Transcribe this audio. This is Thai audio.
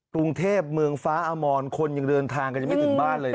กรุงเทพเมืองฟ้าอมรคนยังเดินทางกันยังไม่ถึงบ้านเลย